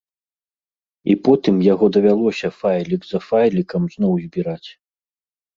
І потым яго давялося файлік за файлікам зноў збіраць.